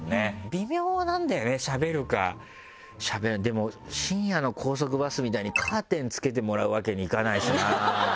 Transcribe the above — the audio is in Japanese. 微妙なんだよねしゃべるかでも深夜の高速バスみたいにカーテン付けてもらうわけにいかないしな。